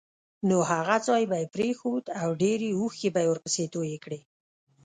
نو هغه ځای به یې پرېښود او ډېرې اوښکې به یې ورپسې تویې کړې.